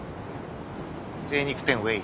「精肉店ウェイ」。